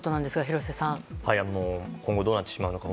今後、どうなってしまうのか